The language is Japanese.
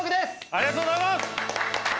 ありがとうございます！